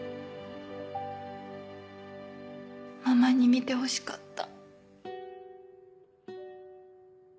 ママに見てほしかった。